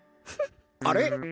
あれ？